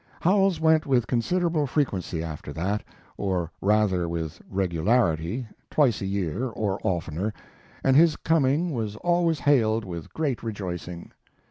Howells went with considerable frequency after that, or rather with regularity, twice a year, or oftener, and his coming was always hailed with great rejoicing.